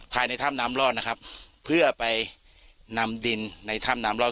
ภายในถ้ำน้ำรอดนะครับเพื่อไปนำดินในถ้ำน้ำรอด